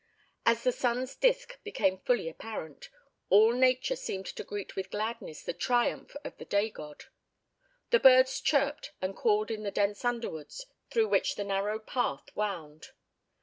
As the sun's disc became fully apparent, all Nature seemed to greet with gladness the triumph of the Day god. The birds chirped and called in the dense underwoods through which the narrow path wound.